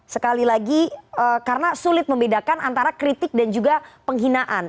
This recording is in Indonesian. sekali lagi karena sulit membedakan antara kritik dan juga penghinaan